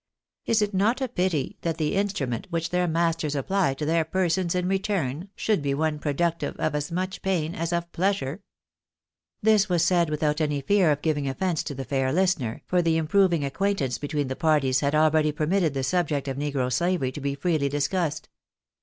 " Is it not a pity that the instrument which their masters apply to their persons in return, should be one productive of as much pain as of pleasure ?" This was said without any fear of giving offence to the fair listener, for the improving acquaintance between the parties had already permitted the subject of negro slavery to be freely dis cussed.